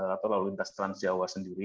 atau lalu lintas transjawa sendiri